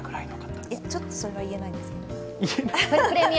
ちょっとそれは言えないんですけど。